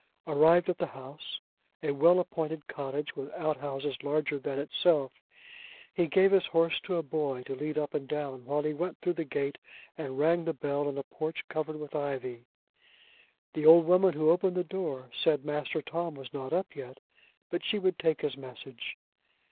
Arrived at the house a well appointed cottage, with out houses larger than itself he gave his horse to a boy to lead up and down, while he went through the gate and rang the bell in a porch covered with ivy. The old woman who opened the door said Master Tom was not up yet, but she would take his message.